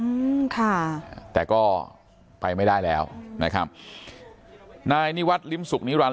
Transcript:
อืมค่ะแต่ก็ไปไม่ได้แล้วนะครับนายนิวัตรลิ้มสุขนิรันดิ